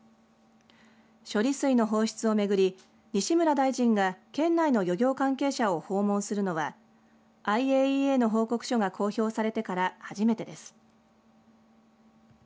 処理水の放出を巡り西村大臣が県内の漁業関係者を訪問するのはＩＡＥＡの報告書が公表されてから初めてです。